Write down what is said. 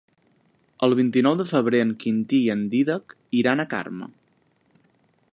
El vint-i-nou de febrer en Quintí i en Dídac iran a Carme.